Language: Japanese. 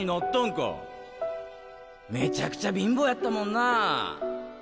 めちゃくちゃ貧乏やったもんなあ。